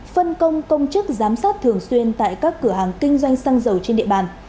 phân công công chức giám sát thường xuyên tại các cửa hàng kinh doanh xăng dầu trên địa bàn